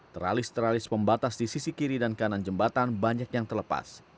teralis teralis pembatas di sisi kiri dan kanan jembatan banyak yang terlepas